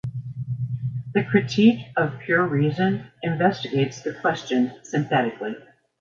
The "Critique of Pure Reason" investigates this question synthetically.